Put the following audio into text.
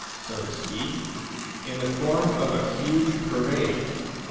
so to speak, in the form of a huge parade.